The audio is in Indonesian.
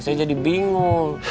saya jadi bingung